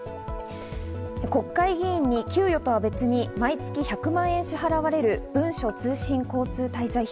国会議員に給与とは別に毎月１００万円支払われる文書通信交通滞在費。